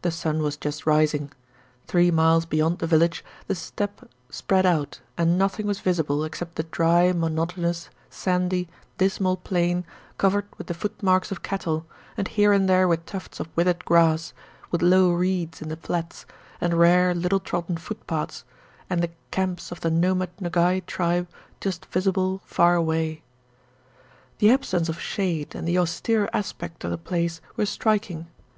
The sun was just rising. Three miles beyond the village the steppe spread out and nothing was visible except the dry, monotonous, sandy, dismal plain covered with the footmarks of cattle, and here and there with tufts of withered grass, with low reeds in the flats, and rare, little trodden footpaths, and the camps of the nomad Nogay tribe just visible far away. The absence of shade and the austere aspect of the place were striking.